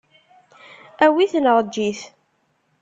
Awi-t neɣ eǧǧ-it.